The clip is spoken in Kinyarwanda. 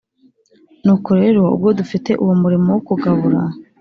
Nuko rero ubwo dufite uwo murimo wo kugabura